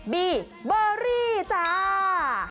บีเบอรี่จ้า